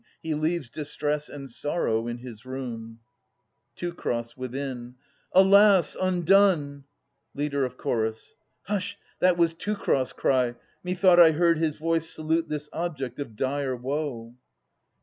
He leaves distress and sorrow in his room ! Teucer {within). Alas, undone ! Leader of Ch. Hush! that was Teucer's cry. Me thought I heard His voice salute this object of dire woe.